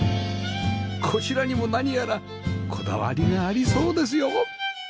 こちらにも何やらこだわりがありそうですよ！